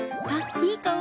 いい香り。